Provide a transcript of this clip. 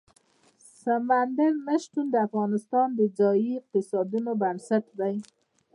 سمندر نه شتون د افغانستان د ځایي اقتصادونو بنسټ دی.